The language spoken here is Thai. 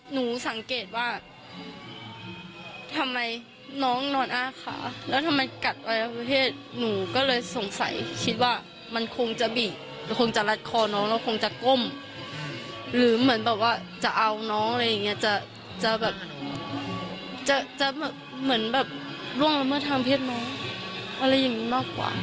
เหมือนแบบล่วงละเมิดทางเพศน้องอะไรอย่างนี้มากกว่า